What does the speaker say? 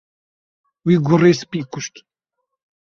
Wî gurê spî kuşt.